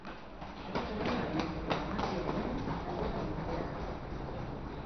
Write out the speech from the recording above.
Horrela amaituko da magia eguna, datorren urtera arte.